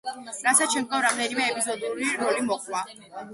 რასაც შემდგომ რამდენიმე ეპიზოდური როლი მოჰყვა.